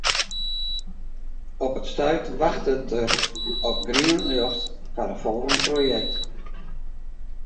Op it stuit wachtet er op grien ljocht foar in folgjend projekt.